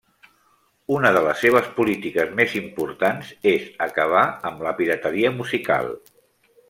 Una de les seves polítiques més importants és acabar amb la pirateria musical.